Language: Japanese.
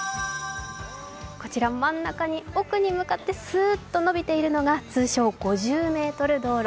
こちら真ん中に奥に向かってスーッと延びているのが通称「５０メートル道路」。